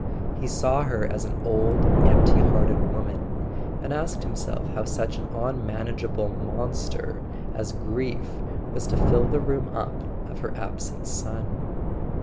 He saw her as an old empty hear ted woman, and asked himself how such an unmanageable monster as grief was to fill the room up of her absent son.